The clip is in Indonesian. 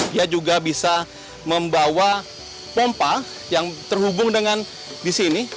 dia juga bisa membawa pompa yang terhubung dengan di sini